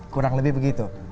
kurang lebih begitu